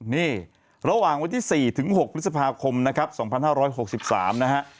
นี่ระหว่างวันที่๔ถึง๖พฤษภาคมนะครับ๒๕๖๓นะฮะ